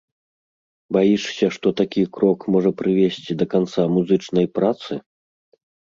Баішся, што такі крок можа прывесці да канца музычнай працы?